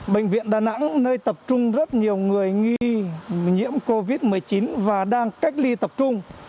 bệnh viện đà nẵng nơi tập trung rất nhiều người nghi nhiễm covid một mươi chín và đang cách ly tập trung